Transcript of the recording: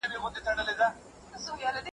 د ناهیلۍ له خامتا جوړې څو ټوټې دي،